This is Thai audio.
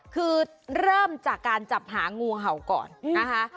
คือเริ่มจากการจับหางูเห่าก่อนนะคะ